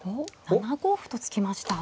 おっ７五歩と突きました。